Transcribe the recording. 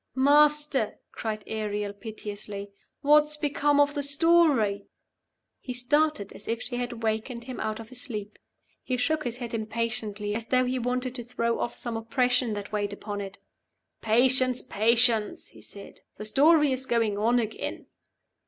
"Master!" cried Ariel, piteously. "What's become of the story?" He started as if she had awakened him out of a sleep; he shook his head impatiently, as though he wanted to throw off some oppression that weighed upon it. "Patience, patience," he said. "The story is going on again."